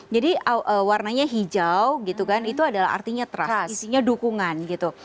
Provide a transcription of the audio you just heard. jadi warnanya hijau gitu kan itu adalah artinya trust isinya dukungan gitu